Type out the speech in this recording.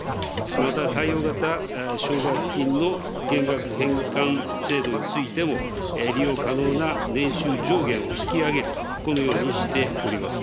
また貸与型奨学金の減額返還制度についても、利用可能な年収上限を引き上げる、このようにしております。